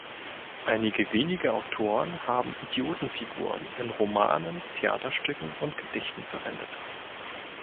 Einige wenige Autoren haben „Idioten“-Figuren in Romanen, Theaterstücken und Gedichten verwendet.